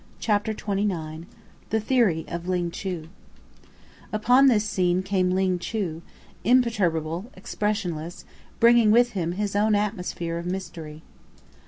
CHAPTER XXIX THE THEORY OF LING CHU Upon this scene came Ling Chu, imperturbable, expressionless, bringing with him his own atmosphere of mystery.